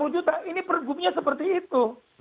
satu ratus lima puluh juta ini pergubnya seperti itu